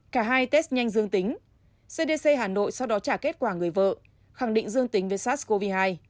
cả hai test nhanh dương tính cdc hà nội sau đó trả kết quả người vợ khẳng định dương tính với sars cov hai